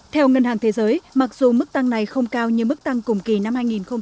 theo ngân hàng thế giới mặc dù mức tăng này không cao như mức tăng cùng kỳ năm hai nghìn một mươi tám